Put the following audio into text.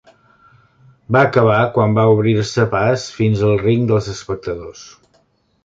Va acabar quan va obrir-se pas fins al ring dels espectadors.